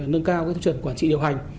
nâng cao thu chuẩn quản trị điều hành